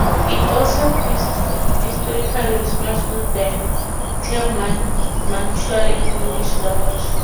It also historically corresponds with the term Manchuria in the English language.